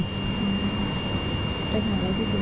ไปหาลูกที่สุรินทร์ครับ